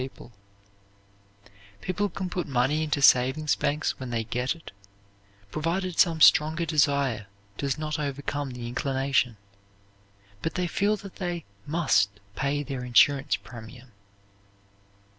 People can put money into savings banks when they get it, provided some stronger desire does not overcome the inclination; but they feel that they must pay their insurance premium.